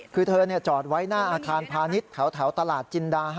คือเธอจอดไว้หน้าอาคารพาณิชย์แถวตลาดจินดา๕